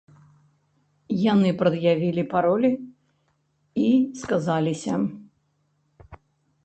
Яны прад'явілі паролі і сказаліся.